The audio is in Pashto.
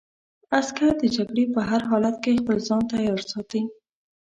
عسکر د جګړې په هر حالت کې خپل ځان تیار ساتي.